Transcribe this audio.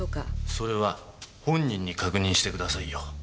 それは本人に確認してくださいよ。